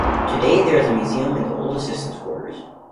Today there is a museum in the old assistants' quarters.